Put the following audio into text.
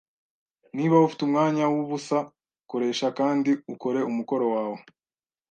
Niba ufite umwanya wubusa, koresha kandi ukore umukoro wawe.